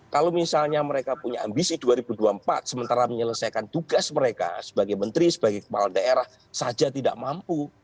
kalau misalnya mereka punya ambisi dua ribu dua puluh empat sementara menyelesaikan tugas mereka sebagai menteri sebagai kepala daerah saja tidak mampu